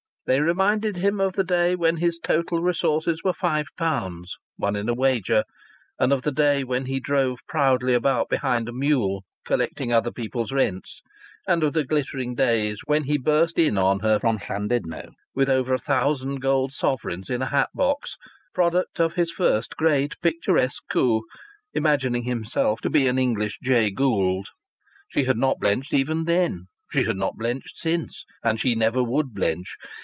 They reminded him of the day when his total resources were five pounds won in a wager, and of the day when he drove proudly about behind a mule collecting other people's rents, and of the glittering days when he burst in on her from Llandudno with over a thousand gold sovereigns in a hat box product of his first great picturesque coup imagining himself to be an English Jay Gould. She had not blenched, even then. She had not blenched since. And she never would blench.